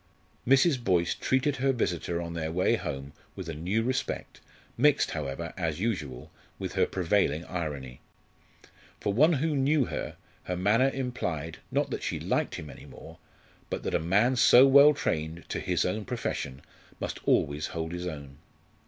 Mrs. Boyce treated her visitor on their way home with a new respect, mixed, however, as usual, with her prevailing irony. For one who knew her, her manner implied, not that she liked him any more, but that a man so well trained to his own profession must always hold his own.